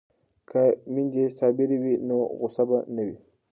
که میندې صابرې وي نو غوسه به نه وي.